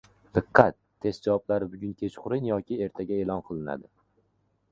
Diqqat! Test javoblari bugun kechqurun yoki ertaga e’lon qilinadi